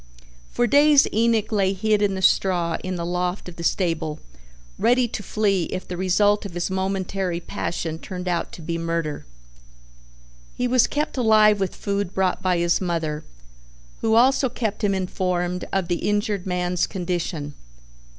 For days Enoch lay hid in the straw in the loft of the stable ready to flee if the result of his momentary passion turned out to be murder. He was kept alive with food brought by his mother, who also kept him informed of the injured man's condition.